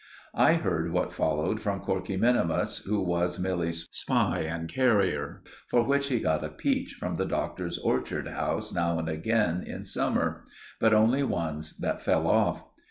I heard what followed from Corkey minimus, who was Milly's spy and carrier, for which he got a peach from the Doctor's orchard house now and again in summer; but only ones that fell off.